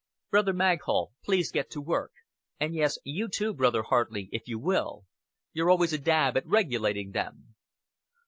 Brother Maghull, please get to work. And, yes, you too, Brother Hartley, if you will. You're always a dab at regulating them."